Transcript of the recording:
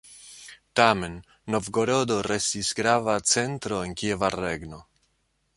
Tamen Novgorodo restis grava centro en Kieva regno.